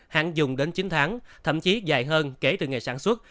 hạn dùng đến chín tháng thậm chí dài hơn kể từ ngày sản xuất